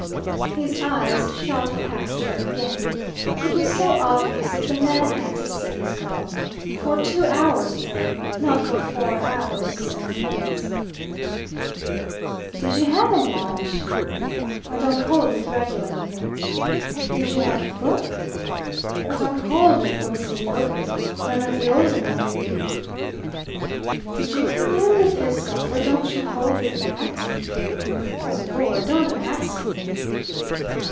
His eyes shot past her again. It was so obvious that the man had to see his girl. For two hours though not for four hours seven minutes. "Did you have any lunch?" "I don't hold with regular meals." "Did you have a book?" "I don't hold with books in the open. None of the older men read." "Did you commune with yourself, or don't you hold with that?" "Oh Lord, don't ask me!"